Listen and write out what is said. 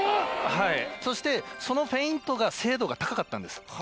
そしてそのフェイントが精度が高かったんです。